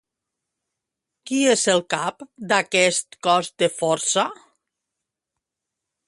Qui és el cap d'aquest cos de força?